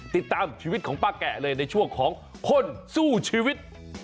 ติดตามชีวิตของป้าแกะเลยในช่วงของคนสู้ชีวิต